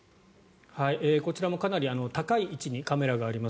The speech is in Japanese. こちらもかなり高い位置にカメラがあります。